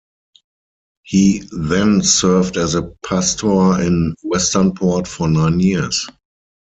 He then served as a pastor in Westernport for nine years.